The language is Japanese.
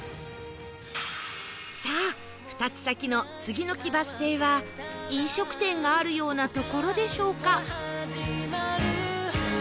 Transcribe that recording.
さあ２つ先の杉の木バス停は飲食店があるような所でしょうか？